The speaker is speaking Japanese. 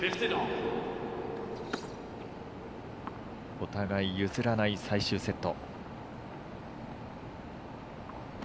お互い譲らない最終セット。